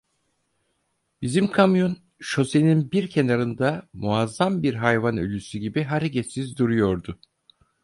Bizim kamyon şosenin bir kenarında muazzam bir hayvan ölüsü gibi hareketsiz duruyordu.